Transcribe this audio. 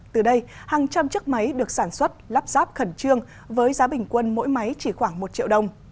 từ đây hàng trăm chiếc máy được sản xuất lắp ráp khẩn trương với giá bình quân mỗi máy chỉ khoảng một triệu đồng